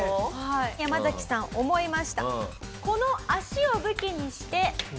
ヤマザキさん思いました。